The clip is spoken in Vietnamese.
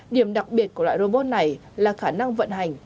điểm đặc biệt của loại robot này là khả năng vận hành